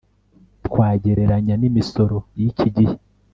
twagereranya n'imisoro y'iki gihe